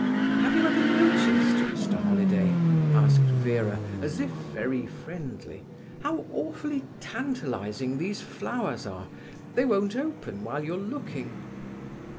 "Have you ever noticed, Mr Holiday," asked Vera, as if very friendly, "how awfully tantalizing these flowers are? They won't open while you're looking."